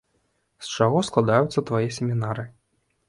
З чаго складаюцца твае семінары?